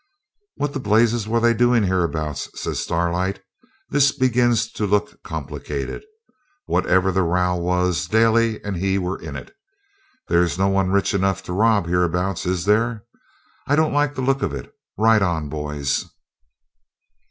'What the blazes were they doing hereabouts?' says Starlight. 'This begins to look complicated. Whatever the row was, Daly and he were in it. There's no one rich enough to rob hereabouts, is there? I don't like the look of it. Ride on, boys.'